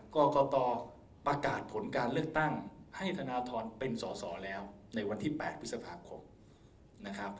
กรกตประกาศผลการเลือกตั้งให้ธนทรเป็นสอสอแล้วในวันที่๘พฤษภาคมนะครับ